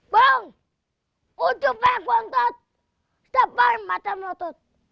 bang kucupnya kontot sepan mata menotot